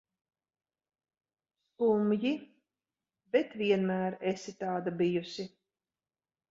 Skumji, bet vienmēr esi tāda bijusi.